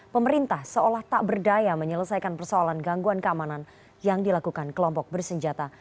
pemerintah seolah tak berdaya menyelesaikan persoalan gangguan keamanan yang dilakukan kelompok bersenjata